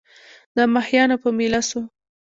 د ماهیانو په مېله سوو